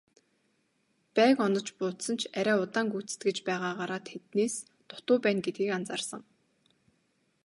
Байг онож буудсан ч арай удаан гүйцэтгэж байгаагаараа тэднээс дутуу байна гэдгийг анзаарсан.